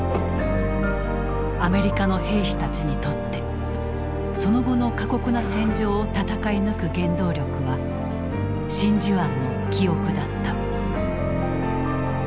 アメリカの兵士たちにとってその後の過酷な戦場を戦い抜く原動力は真珠湾の記憶だった。